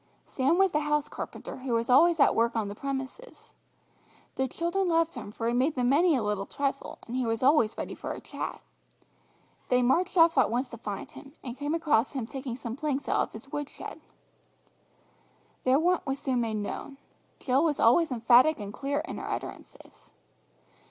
Sam was the house carpenter who was always at work on the premises. The children loved him, for he made them many a little trifle, and he was always ready for a chat. They marched off at once to find him, and came across him taking some planks out of his wood shed. Their want was soon made known. Jill was always emphatic and clear in her utterances.